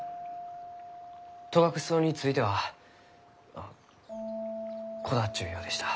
戸隠草についてはまあこだわっちゅうようでした。